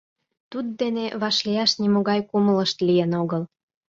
Туддене вашлияш нимогай кумылышт лийын огыл.